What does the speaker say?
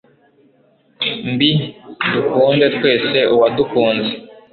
mbi, dukunde twese uwadukunze